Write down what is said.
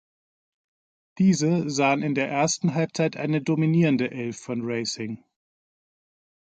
Diese sahen in der ersten Halbzeit eine dominierende Elf von Racing.